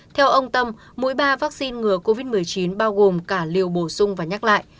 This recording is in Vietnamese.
theo ông tâm mỗi ba vaccine ngừa covid một mươi chín bao gồm cả liều bổ sung và nhắc lại